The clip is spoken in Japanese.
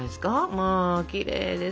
まあきれいです。